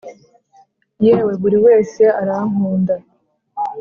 yewe buriwese arankunda